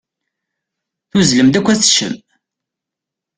Tuzzlem-d akk ad teččem.